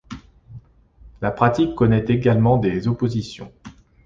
La pratique connaît également des oppositions.